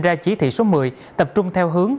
ra chỉ thị số một mươi tập trung theo hướng